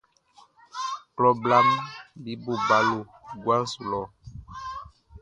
Klɔ blaʼm be bo balo guabo su lɔ.